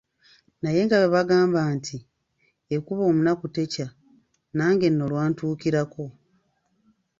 Naye nga bwe bagamba nti; "ekuba omunaku tekya." nange nno lwantuukirako.